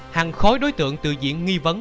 hàng khối đối tượng từ diện nghi vấn